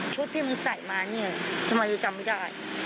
ชุดที่มันใส่มานี่ทำไมจะจำไม่ได้